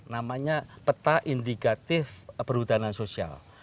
namanya peta indikatif perhutanan sosial